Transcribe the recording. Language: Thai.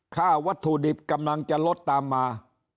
ค่าวัตถุดิบกำลังจะลดตามมา